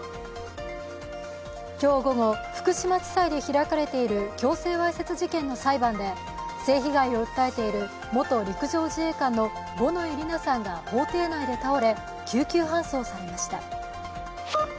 今日午後、福島地裁で開かれている強制わいせつ事件の裁判で、性被害を訴えている元陸上自衛官の五ノ井里奈さんが法廷内で倒れ、救急搬送されました。